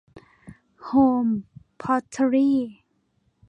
โฮม พอตเทอรี่